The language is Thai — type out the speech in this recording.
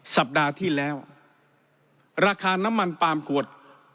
สัปดาห์ที่แล้วราคาน้ำมันปาล์มขวด